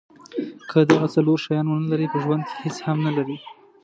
که دغه څلور شیان ونلرئ په ژوند کې هیڅ هم نلرئ.